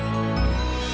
aku sudah minta bantuan